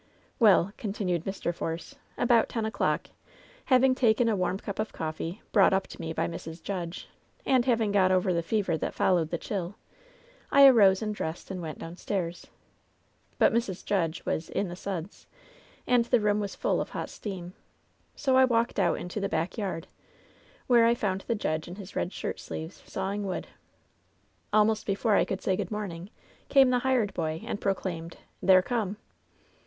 "Well," continued Mr. Force, "about ten o'clock, hav ing taken a warm cup of coffee, brought up to me by Mrs. Judge, and having got over the fever that followed the chill, I arose and dressed and went downstaira. Sut Mrs. Judge was 'in the suds/ and the room was full LOVE'S BITTEREST CUP 129 of hot steam ; so I walked out into the back yard, where I found the judge in his red shirt sleeves, sawing wood. Almost before I could say good morning, came the hired boy and proclaimed :'" 'They're come.'